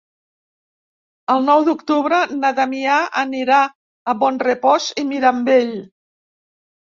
El nou d'octubre na Damià anirà a Bonrepòs i Mirambell.